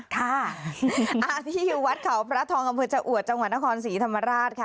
ค่ะที่วัดเขาพระทองคมพิจอุทธิ์จังหวัดนครศรีธรรมราช